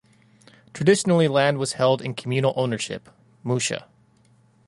Traditionally land was held in communal ownership ("musha").